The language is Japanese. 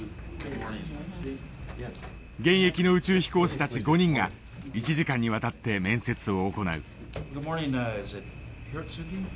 現役の宇宙飛行士たち５人が１時間にわたって面接を行う。